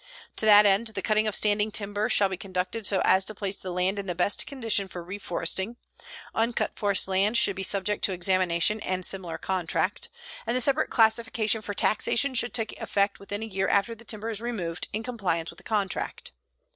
To the end that cutting of standing timber shall be conducted so as to place the land in the best condition for reforesting, uncut forest land should be subject to examination and similar contract, and the separate classification for taxation should take effect within a year after the timber is removed in compliance with the contract.